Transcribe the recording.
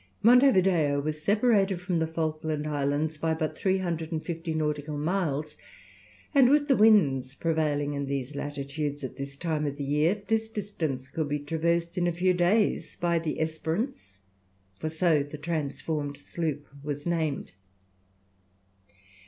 Monte Video was separated from the Falkland Islands by but three hundred and fifty nautical miles, and with the winds prevailing in these latitudes at this time of year, this distance could be traversed in a few days by the Esperance for so the transformed sloop was named.